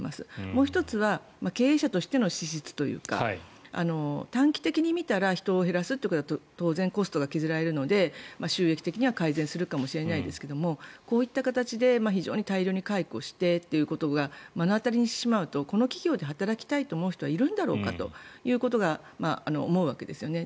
もう１つは経営者としての資質というか短期的に見たら人を減らすということは当然、コストが削られるので収益的には改善するかもしれませんがこういった形で大量に解雇してということを目の当たりにしてしまうとこの企業で働きたいと思う人はいるんだろうかということを思うわけですよね。